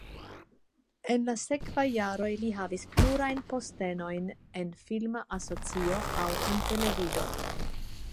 En la sekvaj jaroj li havis plurajn postenojn en filma asocio aŭ en televido.